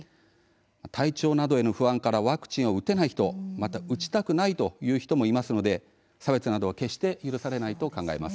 体調などへの不安からワクチンを打てない人また打ちたくないという人もいますので差別などは決して許されないと考えます。